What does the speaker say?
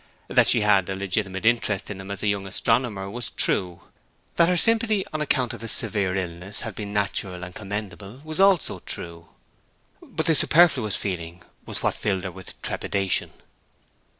That she had a legitimate interest in him as a young astronomer was true; that her sympathy on account of his severe illness had been natural and commendable was also true. But the superfluous feeling was what filled her with trepidation.